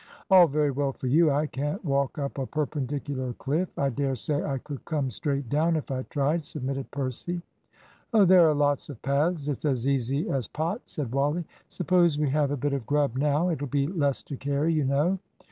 "All very well for you. I can't walk up a perpendicular cliff. I dare say I could come straight down if I tried," submitted Percy. "Oh, there are lots of paths. It's as easy as pot," said Wally. "Suppose we have a bit of grub now. It'll be less to carry, you know."